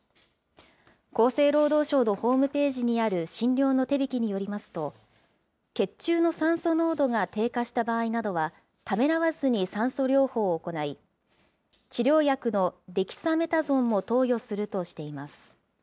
厚生労働省のホームページにある診療の手引によりますと、血中の酸素濃度が低下した場合などは、ためらわずに酸素療法を行い、治療薬のデキサメタゾンも投与するとしています。